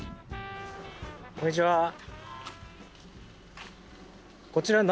こんにちは。